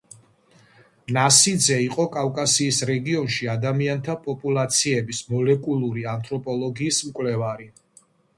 ნასიძე იყო კავკასიის რეგიონში ადამიანთა პოპულაციების მოლეკულური ანთროპოლოგიის მკვლევარი.